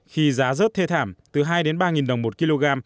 khi giá rớt thê thảm từ hai ba đồng một kg